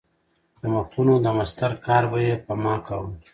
د مخونو د مسطر کار به یې په ما کاوه.